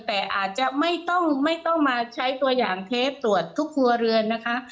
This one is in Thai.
แต่อาจจะไม่ต้องไม่ต้องมาใช้ตัวอย่างเทปตรวจทุกครัวเรือนนะคะ